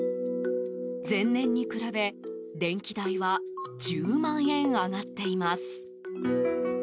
前年に比べ、電気代は１０万円上がっています。